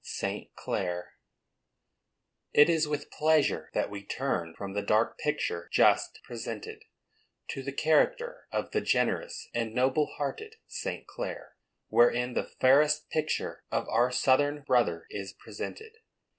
ST. CLARE. It is with pleasure that we turn from the dark picture just presented, to the character of the generous and noble hearted St. Clare, wherein the fairest picture of our Southern brother is presented.